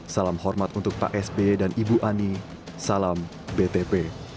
salam hormat untuk pak sb dan ibu ani salam btp